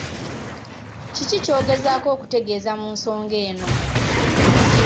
Kiki ky’ogezaako okutegeeza mu nsonga eno?